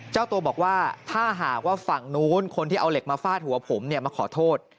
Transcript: เจ้าตัวบอกว่าถ้าหากว่าฝั่งนู้นคนที่เอาเหล็กมาฟาดหัวผมเนี่ยมาขอโทษ